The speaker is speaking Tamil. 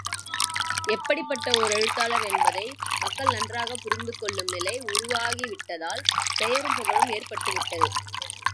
எப்படிப்பட்ட ஓர் எழுத்தாளர் என்பதை மக்கள் நன்றாகப் புரிந்துகொள்ளும் நிலை உருவாகிவிட்டதால் பெயரும் புகழும் ஏற்பட்டு விட்டது.